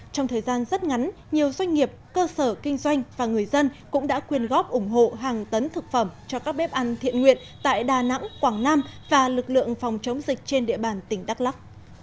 trong thời gian rất ngắn nhiều doanh nghiệp cơ sở kinh doanh và người dân cũng đã quyên góp ủng hộ hàng tấn thực phẩm cho các bếp ăn thiện nguyện tại đà nẵng quảng nam và lực lượng phòng chống dịch trên địa bàn tỉnh đắk lắc